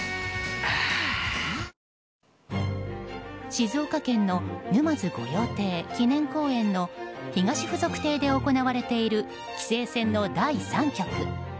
静岡県の沼津御用邸記念公園の東附属邸で行われている棋聖戦の第３局。